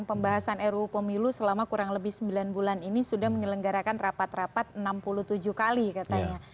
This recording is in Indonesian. pembahasan ruu pemilu selama kurang lebih sembilan bulan ini sudah menyelenggarakan rapat rapat enam puluh tujuh kali katanya